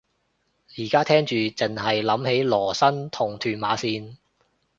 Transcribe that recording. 而家聽住剩係諗起羅生同屯馬綫